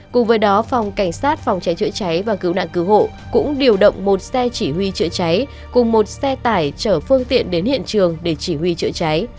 cùng với đó phòng cảnh sát phòng cháy chữa cháy và cứu nạn cứu hộ cũng điều động một xe chỉ huy chữa cháy cùng một xe tải chở phương tiện đến hiện trường để chỉ huy chữa cháy